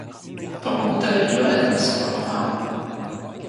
tomo mute li jo e len supa pona a.